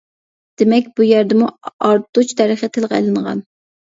دېمەك بۇ يەردىمۇ ئارتۇچ دەرىخى تىلغا ئېلىنغان.